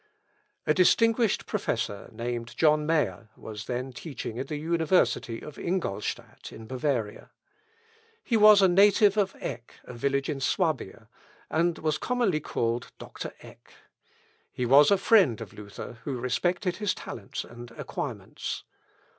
A distinguished professor, named John Meyer, was then teaching in the university of Ingolstadt, in Bavaria. He was a native of Eck, a village in Swabia, and was commonly called Doctor Eck. He was a friend of Luther, who respected his talents and acquirements.